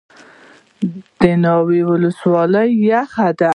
د ناور ولسوالۍ یخه ده